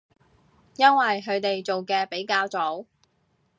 因為佢哋做嘅比較早